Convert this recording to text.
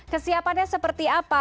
kesiapannya seperti apa